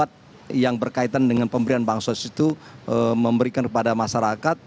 atau ada yang berkaitan dengan pemberian bank sosial itu memberikan kepada masyarakat